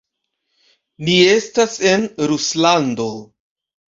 Ni estas en Ruslando.